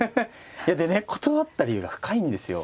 いやでね断った理由が深いんですよ。